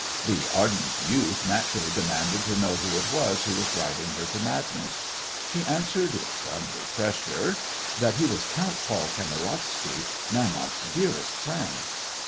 The ardent youth naturally demanded to know who it was who was driving her to madness. She answered under pressure that he was Count Paul Kamarowsky, Naumoff's dearest friend.